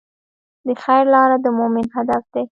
د خیر لاره د مؤمن هدف دی.